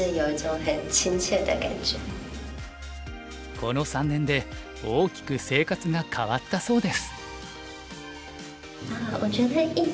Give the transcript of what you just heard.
この３年で大きく生活が変わったそうです。